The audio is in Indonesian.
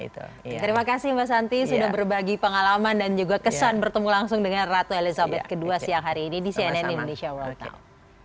terima kasih mbak santi sudah berbagi pengalaman dan juga kesan bertemu langsung dengan ratu elizabeth ii siang hari ini di cnn indonesia world now